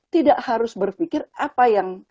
tidak harus berpikir apa yang